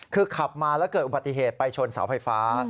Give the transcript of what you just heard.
คือขับมาแล้วเกิดอุบัติเหตุไปชนเสาไฟฟ้า